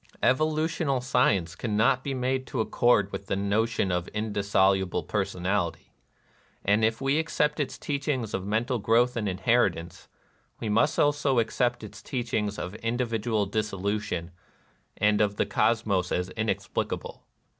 Evolutional science cannot be made to accord with the notion of indissolu ble personality ; and if we accept its teaching of mental growth and inheritance, we must also accept its teaching of individual dissolu tion and of the cosmos as inexplicable.